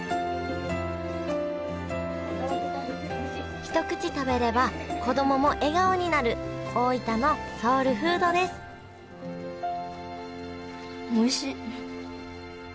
一口食べれば子供も笑顔になる大分のソウルフードですおいしっ！